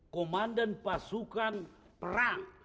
komandan pasukan perang